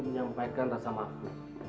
menyampaikan rasa maaf